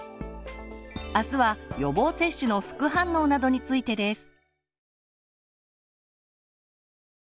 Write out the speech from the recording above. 明日は予防接種の副反応などについてです。